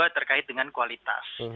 yang ketiga terkait dengan kualitas